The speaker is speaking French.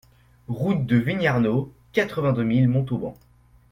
Route de Vignarnaud, quatre-vingt-deux mille Montauban